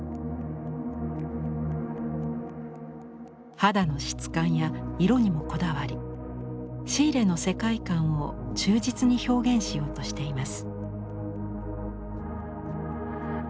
肌の質感や色にもこだわりシーレの世界観を忠実に表現しようとしています。